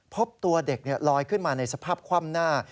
พบตัวเด็กลอยขึ้นมาในสภาพคว่ำหน้า